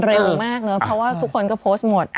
เร็วมากเนอะเพราะว่าทุกคนก็โพสต์หมด